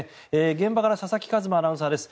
現場から佐々木一真アナウンサーです。